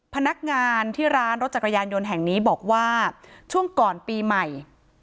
พนักงานที่ร้านรถจักรยานยนต์แห่งนี้บอกว่าช่วงก่อนปีใหม่